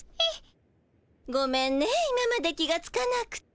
ごめんね今まで気がつかなくて。